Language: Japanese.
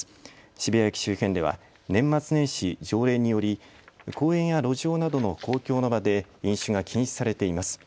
渋谷駅周辺では年末年始条例により公園や路上など公共の場所で飲酒が禁止されています。